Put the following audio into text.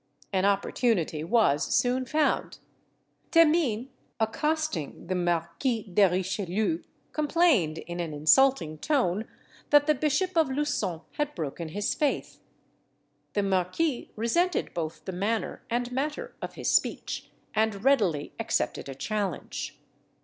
An opportunity was soon found. Themines, accosting the Marquis de Richelieu, complained, in an insulting tone, that the Bishop of Luçon had broken his faith. The Marquis resented both the manner and matter of his speech, and readily accepted a challenge.